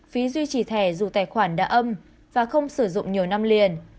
phí duy trì thẻ dù tài khoản đã âm và không sử dụng nhiều năm liền